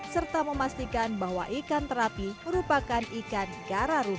serta memastikan bahwa ikan terapi merupakan ikan gararu